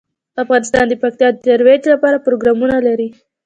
افغانستان د پکتیا د ترویج لپاره پروګرامونه لري.